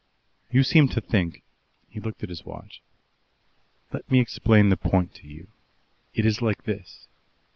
"You seem to think " He looked at his watch. "Let me explain the point to you. It is like this.